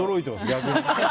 逆に。